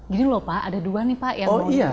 gini loh pak ada dua nih pak yang